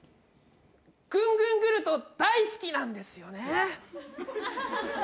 ぐんぐんグルト大好きなんですよね。